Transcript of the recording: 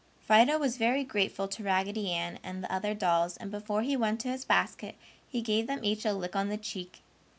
Fido was very grateful to Raggedy Ann and the other dolls and before he went to his basket he gave them each a lick on the cheek.